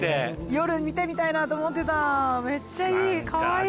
夜見てみたいなと思ってためっちゃいいかわいい。